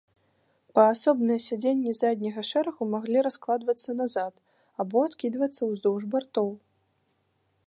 Паасобныя сядзенні задняга шэрагу маглі раскладвацца назад або адкідвацца ўздоўж бартоў.